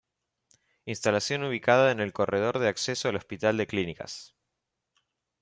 Instalación ubicada en el corredor de acceso al Hospital de Clínicas.